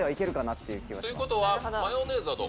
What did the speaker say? ということはマヨネーズはどう？